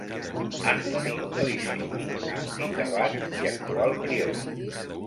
Anthony Delisi, antic abat i actual prior.